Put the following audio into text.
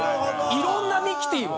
いろんな「ミキティ」を。